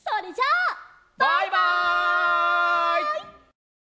バイバイ！